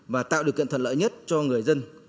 và tạo điều kiện thuận lợi nhất cho người dân